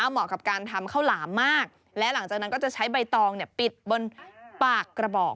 เหมาะกับการทำข้าวหลามมากและหลังจากนั้นก็จะใช้ใบตองปิดบนปากกระบอก